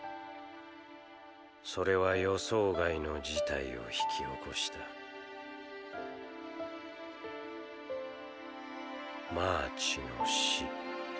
それは予想外の事態を引き起こしたマーチの死。